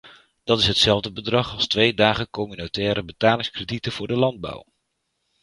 Dat is hetzelfde bedrag als twee dagen communautaire betalingskredieten voor de landbouw.